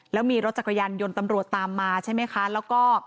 แล้วมีรถจักรยานยนต์ตำรวจตามมาใช่ไหมคะแล้วก็